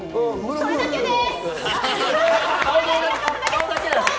これだけです！